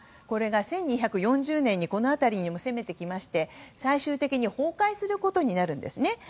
これが１２４０年にこの辺りに攻めてきまして最終的に崩壊することになるんです。